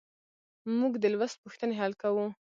موږ د لوست پوښتنې حل کوو.